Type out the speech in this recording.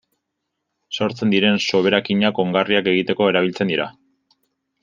Sortzen diren soberakinak ongarriak egiteko erabiltzen dira.